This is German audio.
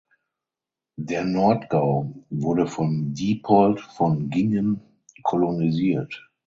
Der Nordgau wurde von Diepold von Giengen kolonisiert.